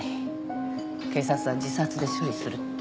警察は自殺で処理するって。